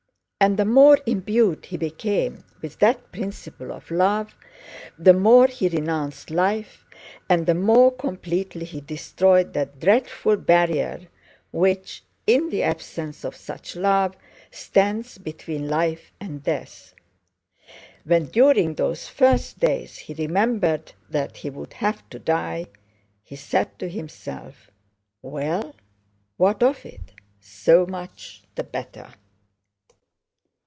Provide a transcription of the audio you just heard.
And the more imbued he became with that principle of love, the more he renounced life and the more completely he destroyed that dreadful barrier which—in the absence of such love—stands between life and death. When during those first days he remembered that he would have to die, he said to himself: "Well, what of it? So much the better!"